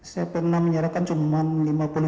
saya pernah menyerahkan cuma lima puluh juta pak